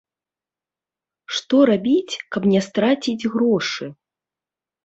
Што рабіць, каб не страціць грошы.